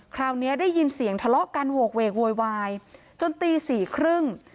คราวนี้ได้ยินเสียงทะเลาะกันโหกเวกโวยวายจนตีสี่ครึ่ง